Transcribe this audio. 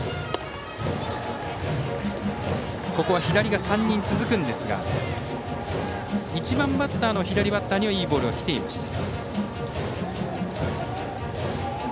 ここは左が３人続くんですが１番バッターの左バッターにはいいボールが来ていました。